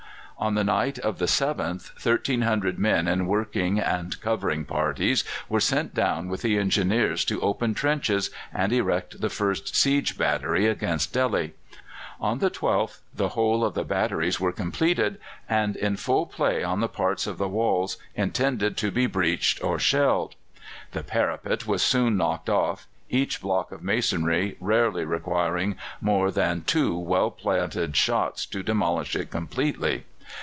On the night of the 7th 1,300 men in working and covering parties were sent down with the Engineers to open trenches and erect the first siege battery against Delhi. On the 12th the whole of the batteries were completed, and in full play on the parts of the walls intended to be breached or shelled. The parapet was soon knocked off, each block of masonry rarely requiring more than two well planted shots to demolish it completely.